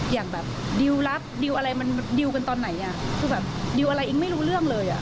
อย่างแบบดิวรักดิวอะไรมันดิวกันตอนไหนอ่ะคือแบบดิวอะไรอิงไม่รู้เรื่องเลยอ่ะ